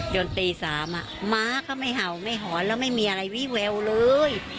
ตี๓ม้าก็ไม่เห่าไม่หอนแล้วไม่มีอะไรวิแววเลย